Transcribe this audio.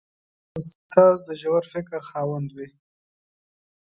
استاد د ژور فکر خاوند وي.